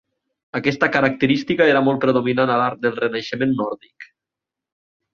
Aquesta característica era molt predominant a l"art del Renaixement nòrdic.